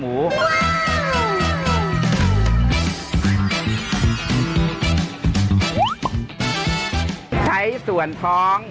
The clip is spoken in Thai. ปู่พญานาคี่อยู่ในกล่อง